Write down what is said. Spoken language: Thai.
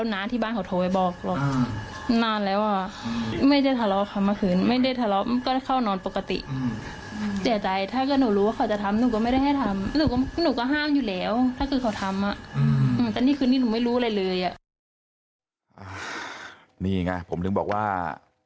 นี่ไงผมถึงบอกว่า